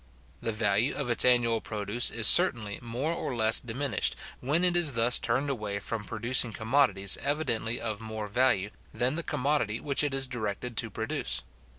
The value of its annual produce is certainly more or less diminished, when it is thus turned away from producing commodities evidently of more value than the commodity which it is directed to produce.